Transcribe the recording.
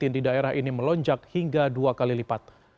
di daerah ini melonjak hingga dua kali lipat